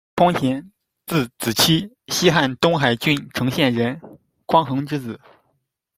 匡咸，字子期，西汉东海郡承县人，匡衡之子。